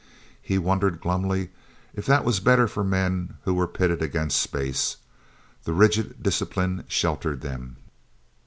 He wondered glumly if that was better for men who were pitted against space. The rigid discipline sheltered them.